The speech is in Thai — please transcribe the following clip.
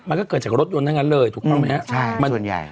มันก็เกิดจากรถยนต์ด้านนั้นเลยถูกต้องไหมนะ